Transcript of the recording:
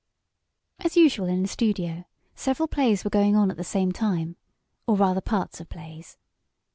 As usual in the studio, several plays were going on at the same time or, rather, parts of plays.